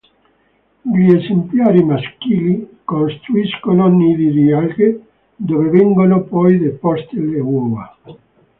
Gli esemplari maschili costruiscono nidi di alghe dove vengono poi deposte le uova.